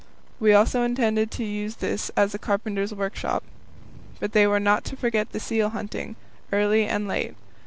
We also intended to use this as a carpenter's workshop. But they were not to forget the seal hunting, early and late.